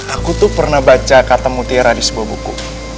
aku tuh pernah baca kata mutiara di sebuah buku